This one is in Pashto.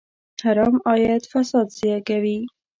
حرام عاید فساد زېږوي.